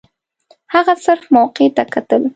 هغه صرف موقع ته کتل.